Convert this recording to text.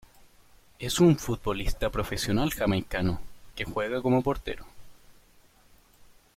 Es un futbolista profesional jamaicano, que juega como portero.